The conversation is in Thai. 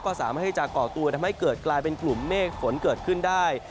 ก็สามารถที่จะก่อตัวทำให้เกิดกลายเป็นกลุ่มเมฆฝนเกิดขึ้นได้